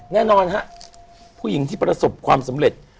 แน่นอนฮะผู้หญิงที่ประสบความสำเร็จ